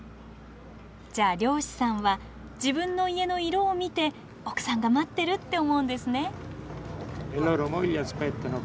じゃあ漁師さんは自分の家の色を見て奥さんが待ってるって思うんですね。